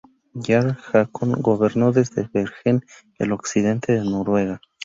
Jarl Haakon gobernó desde Bergen el occidente de Noruega.